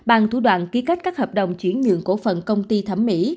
ông thủ đoàn ký cách các hợp đồng chuyển nhượng của phần công ty thẩm mỹ